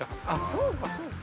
そうかそうか。